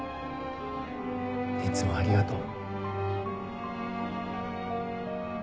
いつもありがとう。